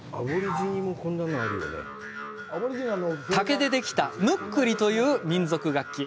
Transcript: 竹でできたムックリという民族楽器。